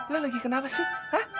lu lagi kenapa sih hah